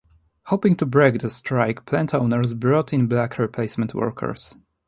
Hoping to break the strike plant owners brought in black replacement workers.